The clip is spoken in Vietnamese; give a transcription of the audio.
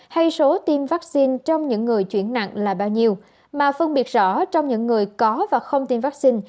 hay số tiêm vaccine trong những người chuyển nặng là bao nhiêu mà phân biệt rõ trong những người có và không tiêm vaccine